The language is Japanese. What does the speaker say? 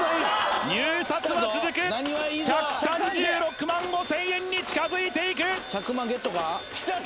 入札は続く１３６万５０００円に近づいていく１００万ゲットか？